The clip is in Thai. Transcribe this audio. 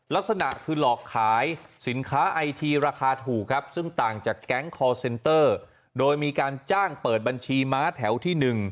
ลักษณะคือหลอกขายสินค้าไอทีราคาถูกครับซึ่งต่างจากแก๊งคอร์เซนเตอร์โดยมีการจ้างเปิดบัญชีม้าแถวที่๑